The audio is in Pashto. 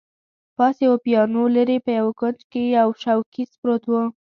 پاس یوه پیانو، لیري په یوه کونج کي یو شوکېز پروت وو.